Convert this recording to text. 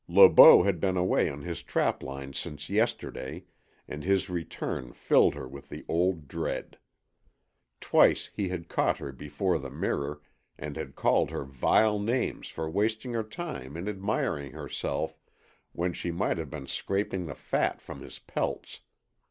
Le Beau had been away on his trapline since yesterday, and his return filled her with the old dread. Twice he had caught her before the mirror and had called her vile names for wasting her time in admiring herself when she might have been scraping the fat from his pelts.